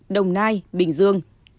đồng nai bình dương